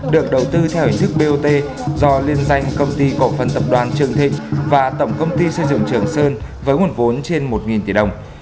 đoạn tư theo hình thức bot do liên danh công ty cộng phân tập đoàn trường thịnh và tổng công ty xây dựng trường sơn với nguồn vốn trên một tỷ đồng